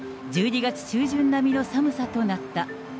１２月中旬並みの寒さとなった。